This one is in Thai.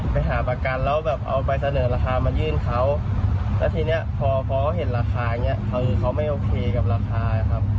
ไปหาประกันแล้วแบบเอาไปเสนอราคามายื่นเขาแล้วทีนี้พอเขาเห็นราคาอย่างนี้คือเขาไม่โอเคกับราคาครับ